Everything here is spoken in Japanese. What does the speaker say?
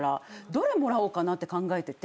どれもらおうかなって考えてて。